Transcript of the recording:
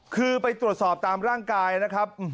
คือไปตรวจสอบตามร่างกายนะครับ